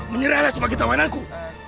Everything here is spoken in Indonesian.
menyerahlah sebagai tawanan ku